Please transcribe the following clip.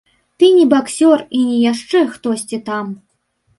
Ты не баксёр і не яшчэ хтосьці там!